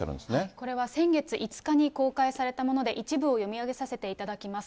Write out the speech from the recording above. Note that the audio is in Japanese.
これは先月５日に公開されたもので、一部を読み上げさせていただきます。